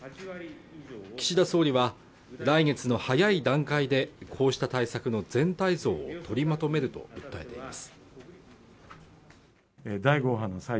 岸田総理は来月の早い段階でこうした対策の全体像を取りまとめると訴えています